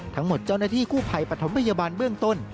ทั้งหมดเจ้าหน้าที่คู่ภัยประธมพยาบาลเบื้องต้น